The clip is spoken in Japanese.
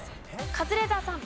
カズレーザーさん。